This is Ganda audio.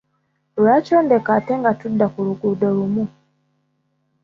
Lwaki ondeka ate nga tudda ku luguudo lumu?